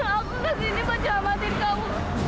aku di sini untuk selamatkan kamu